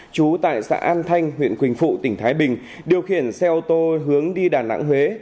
chú tại xã an thanh huyện quỳnh phụ tỉnh thái bình điều khiển xe ô tô hướng đi đà nẵng huế